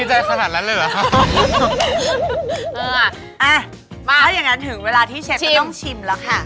เชฟชิม